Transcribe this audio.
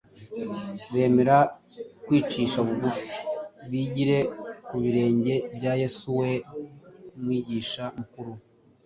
bemere kwicisha bugufi bigire ku birenge bya Yesu we Mwigisha mukuru.